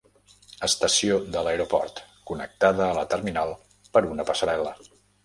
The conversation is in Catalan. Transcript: Estació de l'aeroport, connectada a la terminal per una passarel·la.